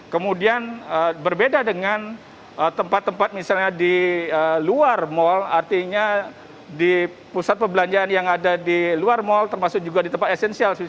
kemudian berbeda dengan tempat tempat misalnya di luar mal artinya di pusat perbelanjaan yang ada di luar mal termasuk juga di tempat esensial